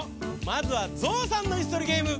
まずはゾウさんのいすとりゲーム。